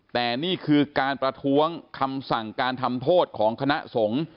แต่นี่คือการประท้วงคำสั่งการทำโทษของคณะสงฆ์